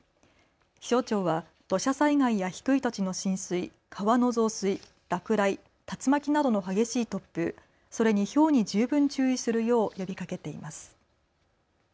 気象庁は土砂災害や低い土地の浸水、川の増水、落雷、竜巻などの激しい突風、それにひょうに十分注意するよう呼びかけています。